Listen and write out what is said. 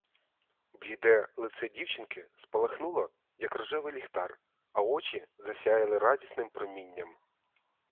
Бліде лице дівчинки спалахнуло, як рожевий ліхтар, а очі засяяли радісним промінням.